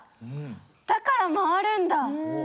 だから回るんだ！